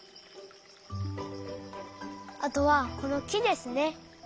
あとはこのきですね。